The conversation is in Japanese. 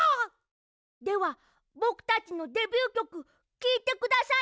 ではぼくたちのデビューきょくきいてください。